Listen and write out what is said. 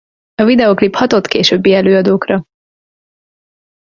A videóklip hatott későbbi előadókra.